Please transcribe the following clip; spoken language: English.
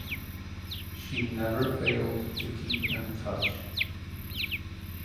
She never failed to keep in touch.